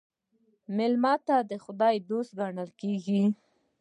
میلمه د خدای دوست ګڼل کیږي.